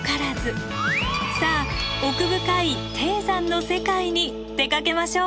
さあ奥深い低山の世界に出かけましょう。